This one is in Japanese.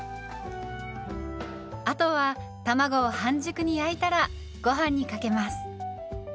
あとは卵を半熟に焼いたらごはんにかけます。